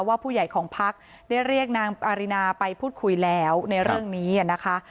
ว่าผู้ใหญ่ของพักได้เรียกนางอารินาไปพูดคุยแล้วในเรื่องนี้นะคะ